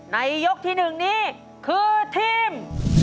ยกที่๑นี้คือทีม